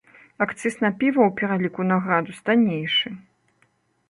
Акцыз на піва ў пераліку на градус таннейшы.